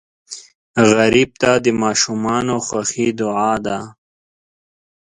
غریب ته د ماشومانو خوښي دعا ده